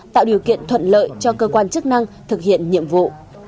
tạo điều kiện thuận lợi cho cơ quan chức năng thực hiện nhiệm vụ